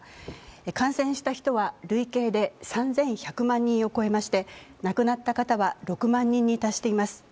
感染した人は累計で３１００万人を超えまして亡くなった方は６万人に達しています。